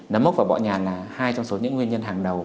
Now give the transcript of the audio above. nấm mốc và bọ nhà là hai trong số nguyên nhân hàng đầu